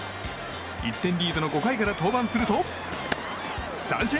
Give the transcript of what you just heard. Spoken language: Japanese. １点リードの５回から登板すると三振！